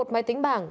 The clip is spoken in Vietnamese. một máy tính bảng